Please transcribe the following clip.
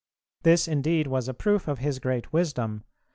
This indeed was a proof of his great wisdom